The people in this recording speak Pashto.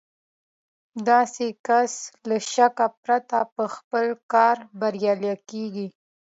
داسې کس له شکه پرته په خپل کار بريالی کېږي.